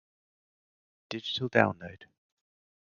Digital download